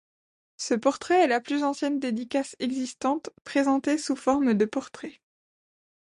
Ce portrait est la plus ancienne dédicace existante, présentée sous forme de portrait.